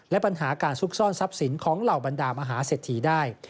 และปัญหาการซุกซ่อนทรัพย์สินของเหล่าบรรดามหาเศรษฐีได้